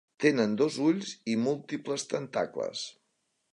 Tenen dos ulls i múltiples tentacles.